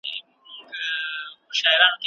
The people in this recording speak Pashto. که موږ په خپل ملت کي یووالی ولرو، نو ښه به وي.